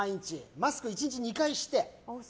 マスク１日２回して。